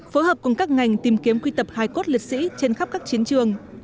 phối hợp cùng các ngành tìm kiếm quy tập hai cốt lịch sĩ trên khắp các chiến trường